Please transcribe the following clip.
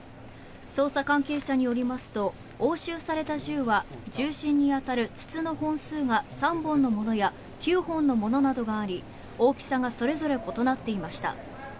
捜査関係者によりますと押収された銃は銃身に当たる筒の本数が３本のものや９本のものなどがあり大きさがそれぞれ異なっていました。